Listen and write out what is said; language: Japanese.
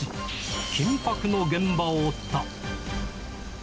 緊迫の現場を追った。